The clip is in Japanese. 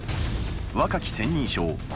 若き千人将項